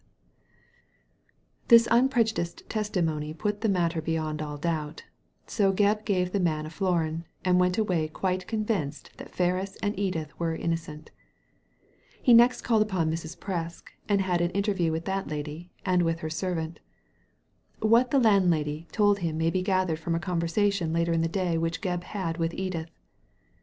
Digitized by Google WHAT MRS. PRESK FOUND 191 This unprejudiced testimony put the ofiatter beyond all doubt So Gebb gave the man a florin, and went away quite convinced that Ferris and Edith were innocent. He next called upon Mrs. Presk, and had an interview with that lady, and with her servant. What the landlady told him may be gathered from a conver sation later in the day which Gebb had yirith Edith.